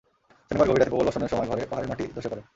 শনিবার গভীর রাতে প্রবল বর্ষণের সময় ঘরে পাহাড়ের মাটি ধসে পড়ে।